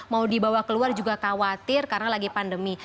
mau dibawa keluar juga khawatir karena lagi pandemi